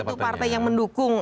yaitu partai yang mendukung